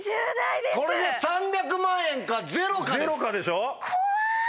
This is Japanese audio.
これで３００万円か０かです！